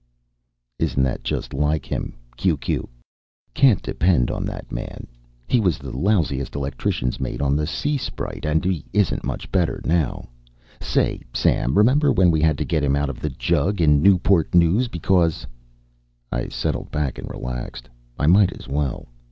ISNT THAT JUST LIKE HIM Q Q CANT DEPEND ON THAT MAN HE WAS THE LOUSIEST ELECTRICIANS MATE ON THE SEA SPRITE AND HE ISNT MUCH BETTER NOW SAY SAM REMEMBER WHEN WE HAD TO GET HIM OUT OF THE JUG IN NEWPORT NEWS BECAUSE I settled back and relaxed. I might as well.